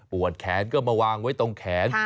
แขนก็มาวางไว้ตรงแขน